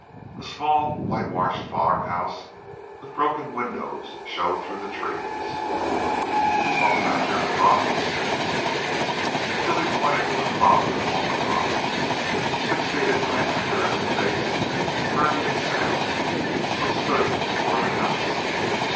A small, whitewashed farmhouse with broken windows showed through the trees. "Talk about your madronos " Billy pointed to the father of all madronos, six feet in diameter at its base, sturdy and sound, which stood before the house.